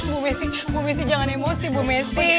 bu messi bu messi jangan emosi bu messi